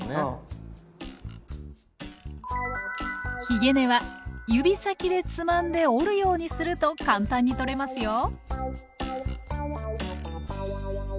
ひげ根は指先でつまんで折るようにすると簡単に取れますよ。